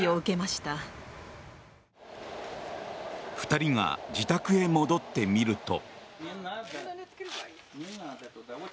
２人が自宅へ戻ってみると。